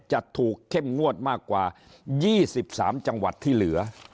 จะถูกเข้มงวดมากกว่า๒๓จังหวัดที่เหลือ